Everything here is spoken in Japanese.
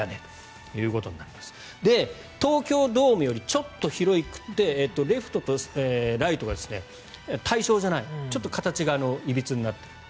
東京ドームよりちょっと広くてレフトとライトが対称じゃないちょっと形がいびつになっている。